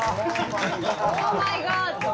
「オーマイガー」って。